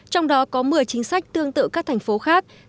trong đó có một mươi chính sách tương tự các thành phố khác